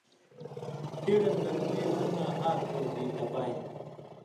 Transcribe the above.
تِڑِم لک وے مہ تاں ہا کُھور دی تپائ۔